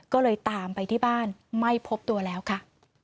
ก็เลยตามไปที่บ้านไม่พบตัวแล้วค่ะ